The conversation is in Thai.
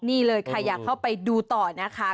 นี่เลยค่ะอยากเข้าไปดูต่อนะคะ